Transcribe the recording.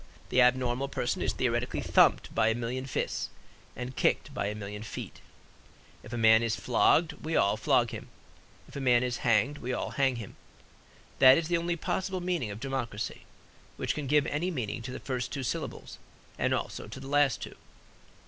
The abnormal person is theoretically thumped by a million fists and kicked by a million feet. If a man is flogged we all flogged him; if a man is hanged, we all hanged him. That is the only possible meaning of democracy, which can give any meaning to the first two syllables and also to the last two.